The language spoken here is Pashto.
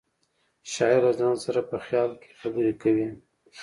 شاعر له ځان سره په خیال کې خبرې کوي